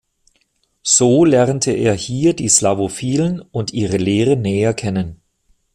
So lernte er hier die Slawophilen und ihre Lehre näher kennen.